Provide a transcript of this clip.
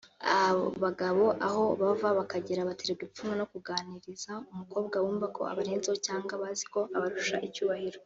Abagabo aho bava bakagera baterwa ipfunwe no kuganiriza umukobwa bumva ko abarenzeho cyangwa bazi ko abarusha icyubahiro